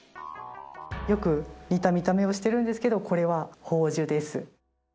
よく似た見た目をしてるんですけどこれは宝珠です。